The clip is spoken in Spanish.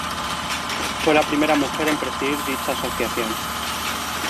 Fue la primera mujer en presidir dicha asociación.